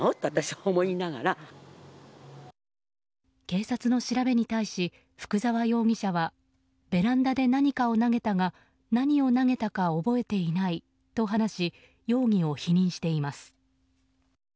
警察の調べに対し福沢容疑者はベランダで何かを投げたが何を投げたか覚えていないと話し容疑を否認しています。